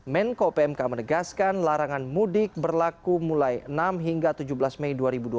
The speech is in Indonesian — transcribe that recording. menko pmk menegaskan larangan mudik berlaku mulai enam hingga tujuh belas mei dua ribu dua puluh